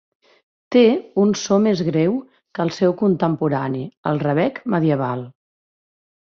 Té un so més greu que el seu contemporani el rebec medieval.